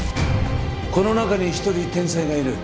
この中に一人天才がいる。